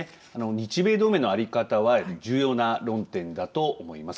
日米同盟の在り方は特に重要な論点だと思います。